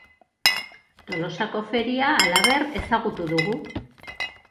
Tolosako feria, halaber, ezagutu dugu.